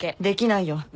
できないよ。